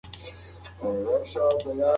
کومه نښه سمه ده؟